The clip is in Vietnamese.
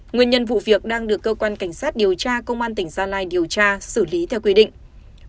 nguyên nhân vụ việc đang được cơ quan cảnh sát điều tra công an tỉnh gia lai điều tra xử lý theo quy định